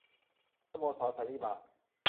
สโมสรสันนิบาต